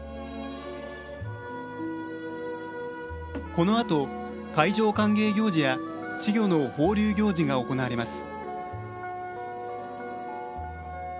このあと、海上歓迎行事や稚魚の放流行事が行われます。